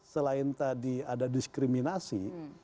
selain tadi ada diskriminasi